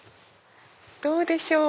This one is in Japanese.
どうでしょう？